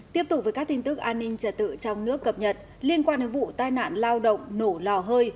tiếp tục với các tin tức an ninh trật tự trong nước cập nhật liên quan đến vụ tai nạn lao động nổ lò hơi